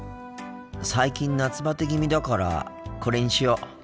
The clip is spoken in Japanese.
最近夏バテ気味だからこれにしよう。